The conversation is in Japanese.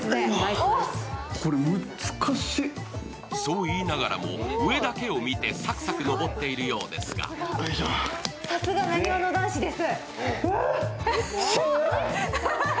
そう言いながらも上だけを見てサクサク登っているようですがさすが、なにわの男子です。